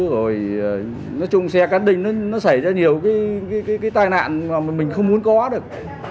rồi nói chung xe cán đinh nó xảy ra nhiều cái tai nạn mà mình không muốn có được